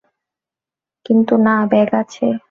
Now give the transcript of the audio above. কিন্তু না ব্যাগ আছে।